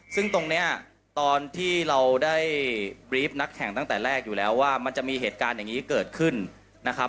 ซึ่งตรงนี้ตอนที่เราได้รีฟนักแข่งตั้งแต่แรกอยู่แล้วว่ามันจะมีเหตุการณ์อย่างนี้เกิดขึ้นนะครับ